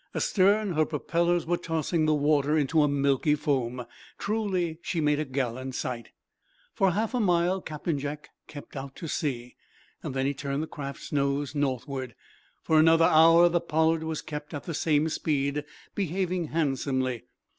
Astern, her propellers were tossing the water into a milky foam. Truly, she made a gallant sight! For half a mile Captain Jack kept out to sea. Then he turned the craft's nose northward. For another hour the "Pollard" was kept at the same speed, behaving handsomely.